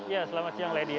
ya selamat siang lady